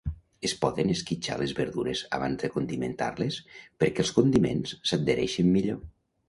Es poden esquitxar les verdures abans de condimentar-les perquè els condiments s'adhereixin millor.